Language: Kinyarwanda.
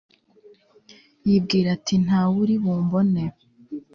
yibwira ati 'nta wuri bumbone'